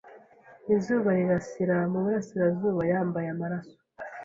Izuba rirasira mu burasirazuba yambaye amaraso